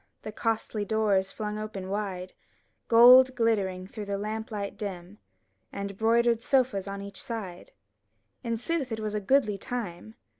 The costly doors flung open wide, Gold glittering through lamp light dim, And broidered sofas on each side; In sooth it was a goodly time.